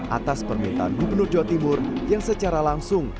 atas permintaan gubernur jawa timur yang secara langsung